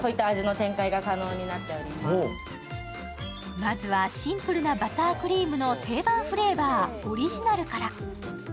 まずはシンプルなバタークリームの定番フレーバー、オリジナルから。